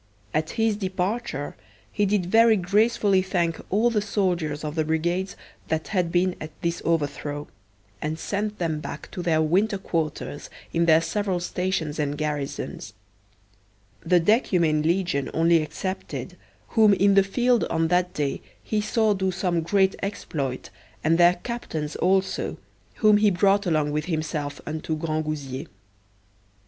At his departure he did very graciously thank all the soldiers of the brigades that had been at this overthrow, and sent them back to their winter quarters in their several stations and garrisons; the decumane legion only excepted, whom in the field on that day he saw do some great exploit, and their captains also, whom he brought along with himself unto Grangousier.